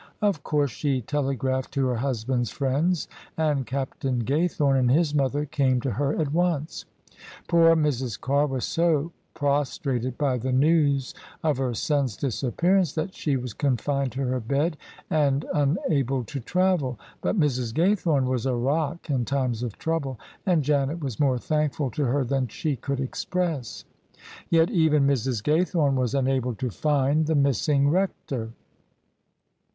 Of course she telegraphed to her husband's friends : and Captain Gay thome and his mother came to her at once. Poor Mrs. Carr was so prostrated by the news of her son's disappear ance that she was confined to her bed and unable to travel : but Mrs. Gaythome was a rock in times of trouble, and Janet was more thankful to her than she could express. Yet even Mrs. Gaythorne was unable to find the missing Rector.